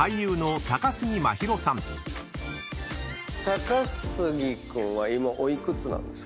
高杉君は今お幾つなんですか？